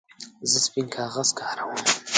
زه سپین کاغذ کاروم.